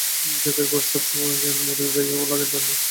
জ্যাকের coat সবসময় John বা মেরীর গায়ে না-ও লাগিতে পারে।